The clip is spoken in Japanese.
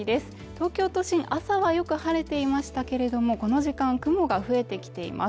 東京都心朝はよく晴れていましたけれどもこの時間雲が増えてきています